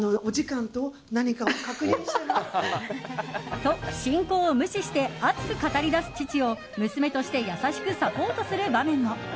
と、進行を無視して熱く語りだす父を娘として優しくサポートする場面も。